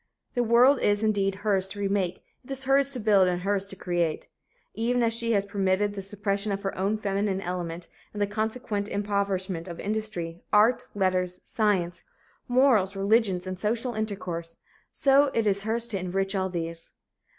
The world is, indeed, hers to remake, it is hers to build and to recreate. Even as she has permitted the suppression of her own feminine element and the consequent impoverishment of industry, art, letters, science, morals, religions and social intercourse, so it is hers to enrich all these.